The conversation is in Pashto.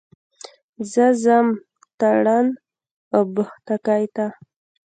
زه ځم تارڼ اوبښتکۍ ته.